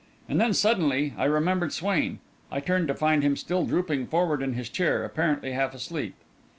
And then, suddenly, I remembered Swain. I turned to find him still drooping forward in his chair, apparently half asleep.